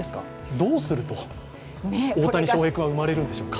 どうすると大谷翔平君は生まれるんでしょうか？